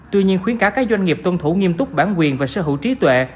tuy nhiên khuyến cáo các doanh nghiệp tuân thủ nghiêm túc bản quyền và sở hữu trí tuệ